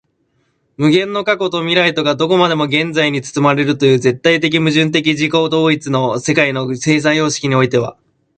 無限の過去と未来とがどこまでも現在に包まれるという絶対矛盾的自己同一の世界の生産様式においては、